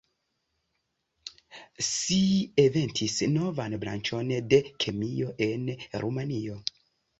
Si inventis novan branĉon de kemio en Rumanio.